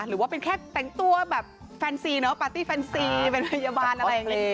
หรือว่าเป็นแค่แต่งตัวแบบแฟนซีเนาะปาร์ตี้แฟนซีเป็นพยาบาลอะไรอย่างนี้